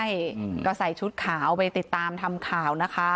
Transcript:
ใช่ก็ใส่ชุดขาวไปติดตามทำข่าวนะคะ